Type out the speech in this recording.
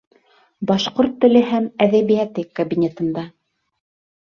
Башҡорт теле һәм әҙәбиәте кабинетында